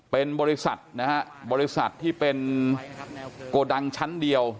เป็นบริษัทนะฮะบริษัทที่เป็นโกดังชั้นเดียว